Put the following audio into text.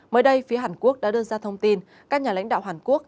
mới đây phía hàn quốc đã đưa ra thông tin các nhà lãnh đạo hàn quốc